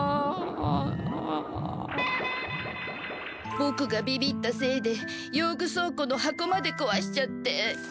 ボクがビビったせいで用具倉庫の箱までこわしちゃって。